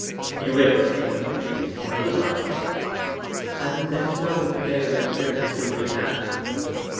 You will explain to him, please. Good bye.' 'And let us know the day of your appearance as soon as you can.